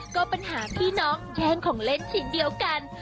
ก็ปัญหาพี่น้องแย่งของเล่นชิ้นเดียวกัน